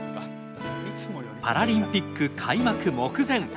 パラリンピック開幕目前。